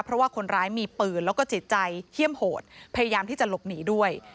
เพราะว่าคนร้ายมีปืนแล้วก็จิตใจเขี้ยมโหดพยายามที่จะหลบหนีด้วย